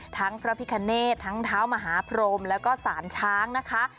พระพิคเนตทั้งเท้ามหาพรมแล้วก็สารช้างนะคะ